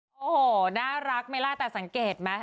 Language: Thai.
โอ้โหน่ารักไหมล่ะแต่สังเกตไหม